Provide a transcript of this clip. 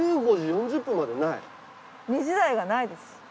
２時台がないです。